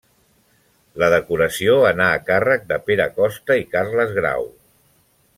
La decoració anà a càrrec de Pere Costa i Carles Grau.